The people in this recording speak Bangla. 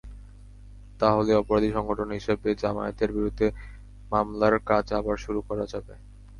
তাহলেই অপরাধী সংগঠন হিসেবে জামায়াতের বিরুদ্ধে মামলার কাজ আবার শুরু করা যাবে।